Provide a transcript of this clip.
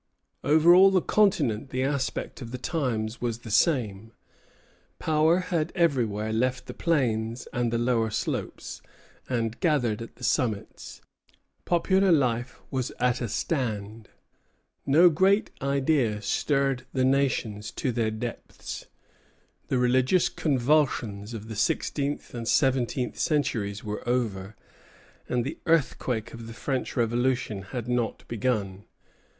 Over all the Continent the aspect of the times was the same. Power had everywhere left the plains and the lower slopes, and gathered at the summits. Popular life was at a stand. No great idea stirred the nations to their depths. The religious convulsions of the sixteenth and seventeenth centuries were over, and the earthquake of the French Revolution had not begun.